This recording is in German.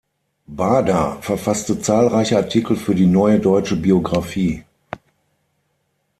Baader verfasste zahlreiche Artikel für die "Neue Deutsche Biographie".